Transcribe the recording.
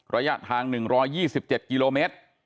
ระยะทาง๑๒๗กิโลเมตร